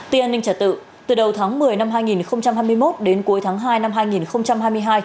tin an ninh trả tự từ đầu tháng một mươi năm hai nghìn hai mươi một đến cuối tháng hai năm hai nghìn hai mươi hai